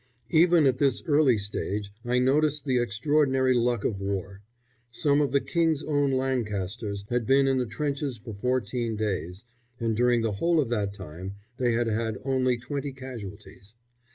Even at this early stage I noticed the extraordinary luck of war. Some of the King's Own Lancasters had been in the trenches for fourteen days, and during the whole of that time they had had only twenty casualties.